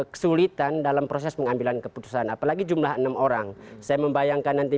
kesulitan dalam proses pengambilan keputusan apalagi jumlah enam orang saya membayangkan nanti